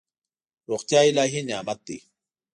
روغتیا الهي نعمت دی.